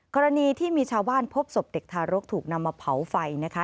กรณีที่มีชาวบ้านพบศพเด็กทารกถูกนำมาเผาไฟนะคะ